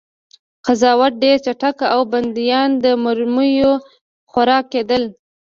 قضاوت ډېر چټک و او بندیان د مرمیو خوراک کېدل